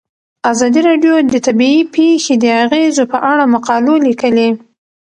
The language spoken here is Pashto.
ازادي راډیو د طبیعي پېښې د اغیزو په اړه مقالو لیکلي.